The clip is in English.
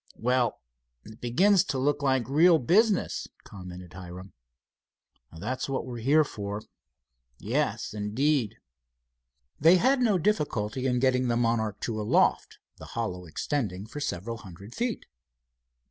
"Well, it begins to look like real business," commented Hiram. "That's what we're here for." "Yes, indeed." They had no difficulty in getting the Monarch II aloft, the hollow extending for several hundred feet.